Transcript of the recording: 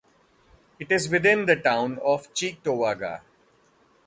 It is within the town of Cheektowaga.